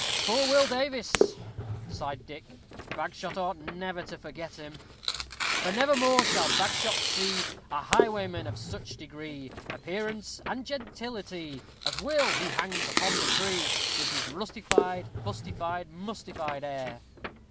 _" "Poor Will Davies!" sighed Dick; "Bagshot ought never to forget him." For never more shall Bagshot see A highwayman of such degree, Appearance, and gentility, As Will, who hangs upon the tree, _With his rustified, fustified, mustified air!